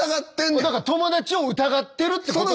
ただそれは友達を疑ってるってことに。